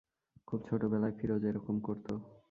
খুব ছোটবেলায় ফিরোজ এরকম করত।